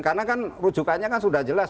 karena kan rujukannya kan sudah jelas